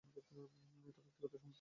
এটা ব্যক্তিগত সম্পত্তি।